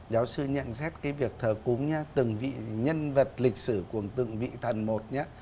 giáo sư nhận xét cái việc thờ cúng nhé từng vị nhân vật lịch sử cùng từng vị thần một nhé